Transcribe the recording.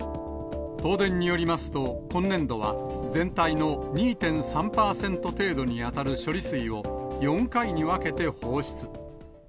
東電によりますと、今年度は全体の２．３％程度に当たる処理水を４回に分けて放出。